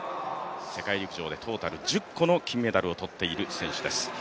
世界陸上でトータル１０個の金メダルをとっている選手です。